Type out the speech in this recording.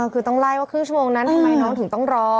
คือต้องไล่ว่าครึ่งชั่วโมงนั้นทำไมน้องถึงต้องรอ